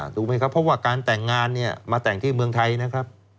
ถูกไหมครับเพราะว่าการแต่งงานเนี่ยมาแต่งที่เมืองไทยนะครับ